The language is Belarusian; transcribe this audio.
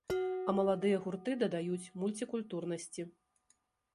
А маладыя гурты дадаюць мульцікультуральнасці.